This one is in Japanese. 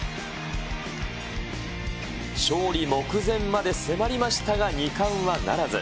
勝利目前まで迫りましたが、２冠はならず。